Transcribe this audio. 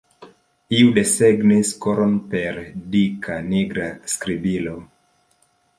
Iu desegnis koron per dika nigra skribilo.